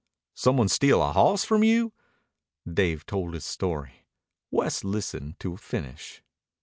"Some one steal a hawss from you?" Dave told his story. West listened to a finish.